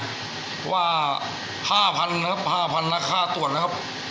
เพราะว่าห้าพันนะครับห้าพันราคาตรวจนะครับ